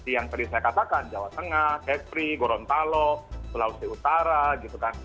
yang tadi saya katakan jawa tengah kepri gorontalo sulawesi utara gitu kan